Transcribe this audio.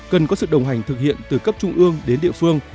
cần có sự đồng hành thực hiện từ cấp trung ương đến địa phương